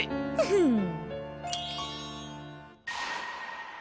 フフン。